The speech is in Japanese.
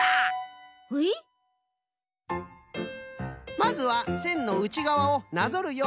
まずはせんのうちがわをなぞるようにぬる。